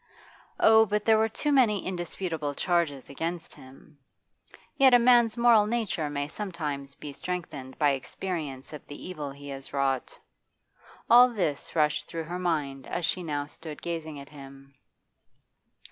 Oh, but there were too many indisputable charges against him. Yet a man's moral nature may sometimes be strengthened by experience of the evil he has wrought. All this rushed through her mind as she now stood gazing at him.